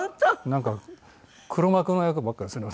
なんか黒幕の役ばっかですね